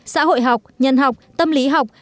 xã hội học nhân học tâm lý học